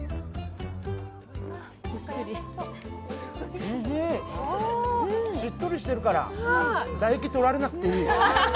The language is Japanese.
おいしい、しっとりしてるから唾液取られなくていい。